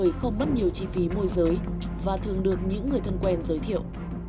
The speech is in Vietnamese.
bởi không mất nhiều chi phí môi giới và thường được những người thân quen giới thiệu